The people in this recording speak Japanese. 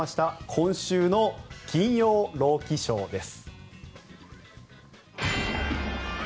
今週の「金曜ロウキショー」です。